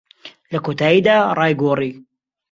لە کۆتاییدا، ڕای گۆڕی.